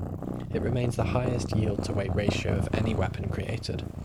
It remains the highest yield-to-weight ratio of any weapon created.